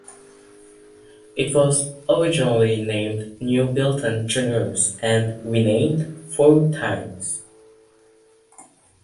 It was originally named New Bilton Juniors and renamed four times.